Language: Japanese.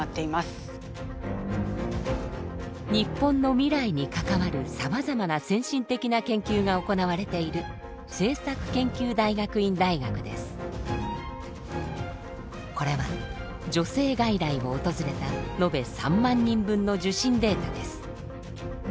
日本の未来に関わるさまざまな先進的な研究が行われているこれは女性外来を訪れた延べ３万人分の受診データです。